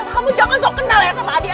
kamu jangan sok kenal ya sama adi